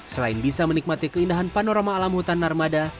selain bisa menikmati keindahan panorama alam hutan narmada